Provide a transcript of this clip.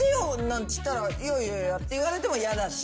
なんつったら「いやいや」って言われても嫌だし。